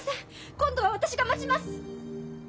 今度は私が待ちます。